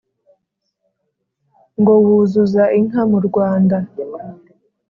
ngo wuzuza inká mu rwanda